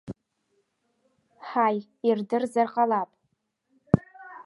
Ҳаи, ирдырзар ҟалап!